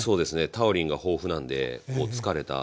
タウリンが豊富なんで「疲れた。